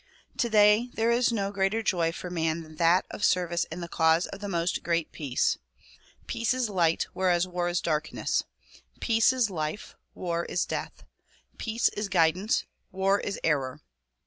Today there is no greater glorj' for man than that of service in the cause of the "Most Great Peace." Peace is light whereas war is darkness. Peace is life; war is death. Peace is guidance; war is error.